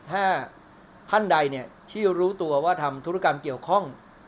ถ้าท่านใดที่รู้ตัวว่าทำธุรกรรมเกี่ยวข้อง